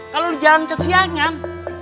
kalau lo jalan kesiangan